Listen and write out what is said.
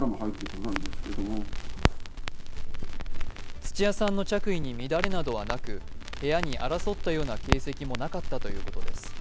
土屋さんの着衣に乱れなどはなく、部屋に争ったような形跡もなかったということです。